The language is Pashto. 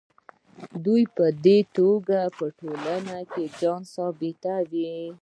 دوی په دې توګه په ټولنه کې ځان ثابتوي.